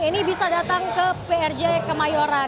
ini bisa datang ke prj kemayoran